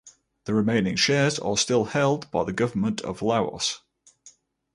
The remaining shares are still held by the government of Laos.